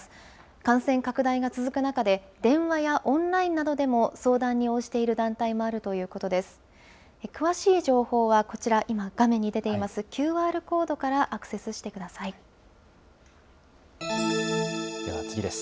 感染拡大が続く中で、電話やオンラインなどでも相談に応じている団体もあるということです。